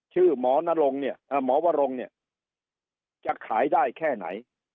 ชื่อหมอนรงเนี่ยหมอวรงเนี่ยจะขายได้แค่ไหน